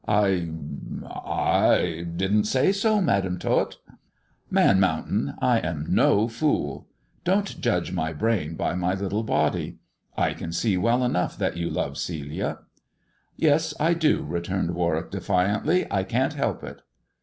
" I— I— didn't say so. Madam Tot." THE dwarf's chamber 129 " Man Mountain, I am no fool ! Don't judge my brain by my little body. I can see well enough that you love Celia." " Yes, I do," returned Warwick defiantly. " I can't help it."